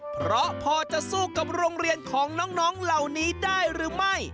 เพราะพอจะสู้กับโรงเรียนของน้องเหล่านี้ได้หรือไม่